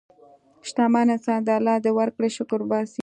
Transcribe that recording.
شتمن انسان د الله د ورکړې شکر وباسي.